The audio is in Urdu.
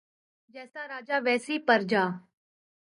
جیسا راجا ویسی پرجا